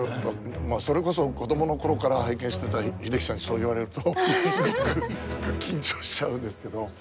まあそれこそ子供の頃から拝見してた英樹さんにそう言われるとすごく緊張しちゃうんですけど。